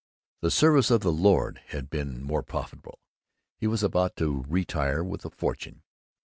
The service of the Lord had been more profitable. He was about to retire with a fortune.